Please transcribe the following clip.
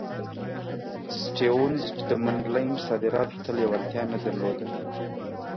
سټیونز د منډلینډ صادراتو ته لېوالتیا نه درلوده.